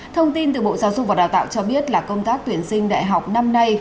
thông tin từ bộ giáo dục và đào tạo cho biết là công tác tuyển sinh đại học năm nay